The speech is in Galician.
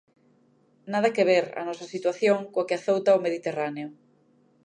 Nada que ver, a nosa situación, coa que azouta o mediterráneo.